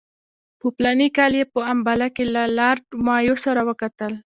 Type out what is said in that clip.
په فلاني کال کې یې په امباله کې له لارډ مایو سره وکتل.